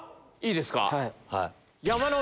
いいですか。